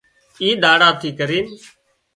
اي ۮاڙا ٿِي ڪرينَ